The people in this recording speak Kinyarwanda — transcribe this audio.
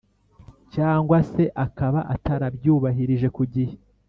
Cyangwa se akaba atarabyubahirije ku gihe